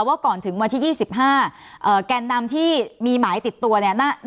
ว่าก่อนถึงวันที่๒๕แกนนำที่มีหมายติดตัวเนี่ย